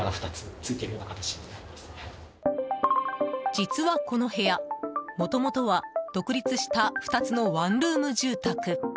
実はこの部屋もともとは独立した２つのワンルーム住宅。